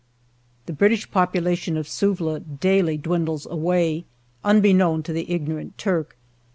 The British population of Suvla daily dwindles away, unbeknown to the ignorant Turk.